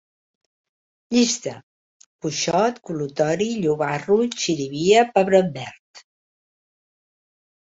Llista: cuixot, col·lutori, llobarro, xirivia, pebrot verd